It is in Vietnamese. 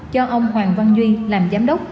do ông hoàng văn duy làm giám đốc